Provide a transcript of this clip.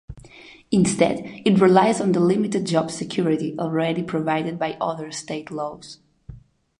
Instead, it relies on the limited job security already provided by other state laws.